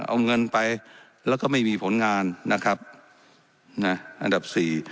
เอาเงินไปแล้วก็ไม่มีผลงานนะครับนะอันดับสี่